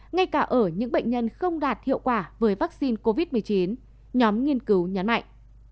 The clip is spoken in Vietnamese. ngay cả ở những bệnh nhân không đạt hiệu quả với vaccine covid một mươi chín nhóm nghiên cứu nhấn mạnh